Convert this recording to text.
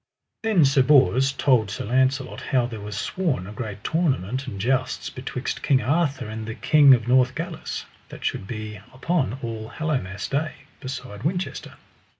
Then Sir Bors told Sir Launcelot how there was sworn a great tournament and jousts betwixt King Arthur and the King of Northgalis, that should be upon All Hallowmass Day, beside Winchester.